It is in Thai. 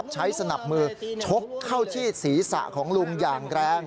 สนับมือชกเข้าที่ศีรษะของลุงอย่างแรง